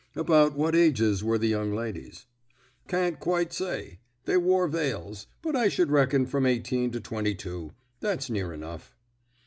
"About what ages were the young ladies?" "Can't quite say. They wore veils; but I should reckon from eighteen to twenty two. That's near enough."